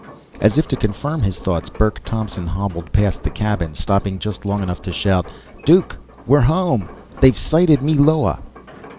As if to confirm his thoughts, Burke Thompson hobbled past the cabin, stopping just long enough to shout. "Duke, we're home! They've sighted Meloa!"